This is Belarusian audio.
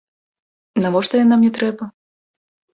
Навошта яна мне трэба?